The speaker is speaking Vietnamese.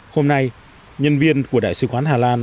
hôm nay nhân viên của đại sứ quán hà lan